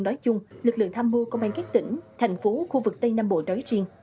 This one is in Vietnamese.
nói chung lực lượng tham mưu công an các tỉnh thành phố khu vực tây nam bộ nói riêng